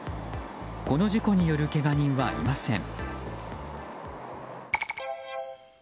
この事故によるけが人はいません。